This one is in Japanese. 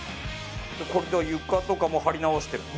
これ床とかも張り直してる。